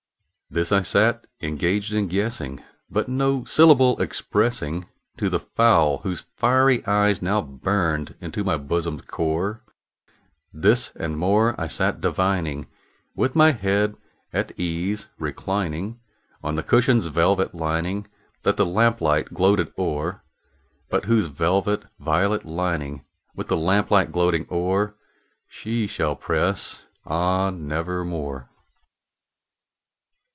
This I sat engaged in guessing, but no syllable expressing To the fowl whose fiery eyes now burned into my bosom's core; This and more I sat divining, with my head at ease reclining On the cushion's velvet lining that the lamp light gloated o'er, But whose velvet violet lining with the lamp light gloating o'er, She shall press, ah, nevermore!